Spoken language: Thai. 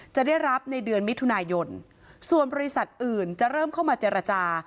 จะได้รับในเดือนมิถุนายนส่วนบริษัทอื่นจะเริ่มเข้ามาเจรจา